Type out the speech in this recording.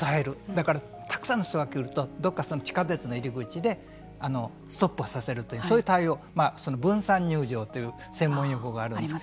だから、たくさんの人が来るとどこか地下鉄の入り口でストップをさせるというそういう対応分散入場という専門用語があるんです。